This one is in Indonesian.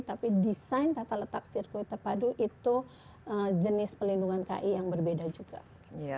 jadi desain tata letak sirkuit terpadu itu jenis pelindungan ki yang berbeda juga